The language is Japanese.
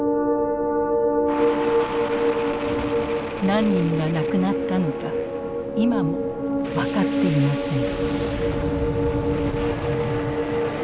何人が亡くなったのか今も分かっていません。